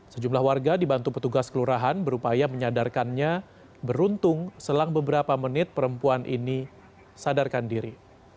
sejumlah warga dibantu petugas kelurahan berupaya menyadarkannya beruntung selang beberapa menit perempuan ini sadarkan diri